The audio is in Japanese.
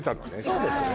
そうですね